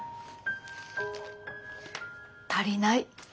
足りない。